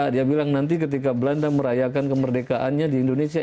dia bilang nanti ketika belanda merayakan kemerdekaannya di indonesia